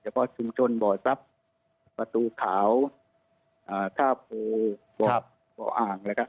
แต่เพราะชุมชนบ่อทรัพย์ประตูขาวท่าปืล